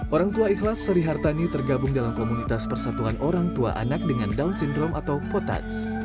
orang tua ikhlas sri hartani tergabung dalam komunitas persatuan orang tua anak dengan down syndrome atau potats